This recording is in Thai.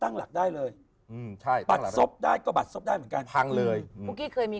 ตั้งหลักได้เลยใช่ซะได้ก็บัดทดด้านกลางเลยพูกค่อยมี